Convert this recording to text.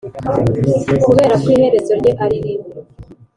kuberako iherezo rye ariribi